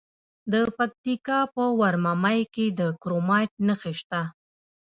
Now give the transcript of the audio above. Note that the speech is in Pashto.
د پکتیکا په ورممی کې د کرومایټ نښې شته.